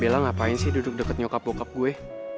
bella ngapain sih duduk deket nyokap bokap gue